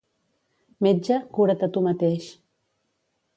Metge, cura't a tu mateix.